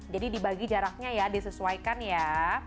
jadi dibagi jaraknya ya disesuaikan ya